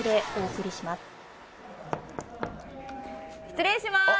失礼します。